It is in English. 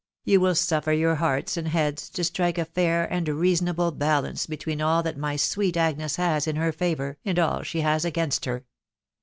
. you will suffer your hearts sad beads to assske^ufiakuud seasonable balance between all that tny sweet Agnes Jms ua her favour «nd al she has against her.